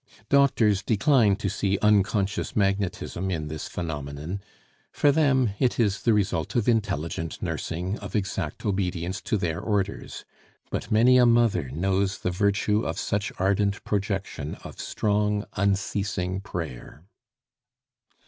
Doctors decline to see unconscious magnetism in this phenomenon; for them it is the result of intelligent nursing, of exact obedience to their orders; but many a mother knows the virtue of such ardent projection of strong, unceasing prayer.